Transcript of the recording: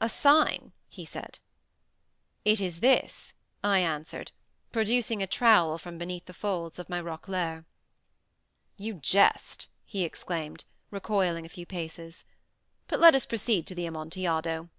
"A sign," he said. "It is this," I answered, producing a trowel from beneath the folds of my roquelaire. "You jest," he exclaimed, recoiling a few paces. "But let us proceed to the Amontillado."